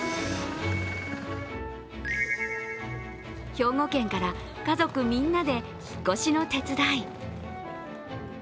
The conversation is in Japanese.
兵庫県から家族みんなで引っ越しの手伝い。